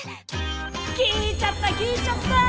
聞いちゃった聞いちゃった！